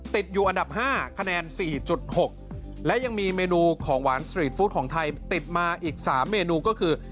ติดอยู่อันดับ๕คะแนน๔๖และยังมีเมนูของหวานสตรีทฟู้ดของไทยติดมาอีก๓เมนูก็คือ